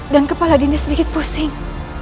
dan kepala dinda sedikit pusing